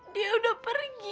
dia udah pergi